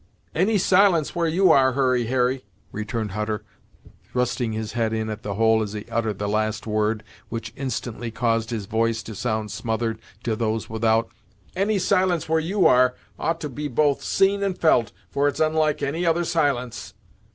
"Any silence where you are, Hurry Harry," returned Hutter, thrusting his head in at the hole as he uttered the last word, which instantly caused his voice to sound smothered to those without "Any silence where you are, ought to be both seen and felt, for it's unlike any other silence."